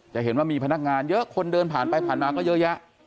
จะเห็นว่ามีพนักงานเยอะคนเดินผ่านไปผ่านมาก็เยอะแยะ